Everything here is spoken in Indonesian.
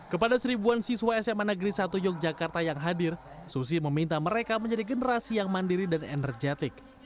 kepada seribuan siswa sma negeri satu yogyakarta yang hadir susi meminta mereka menjadi generasi yang mandiri dan energetik